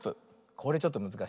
これちょっとむずかしい。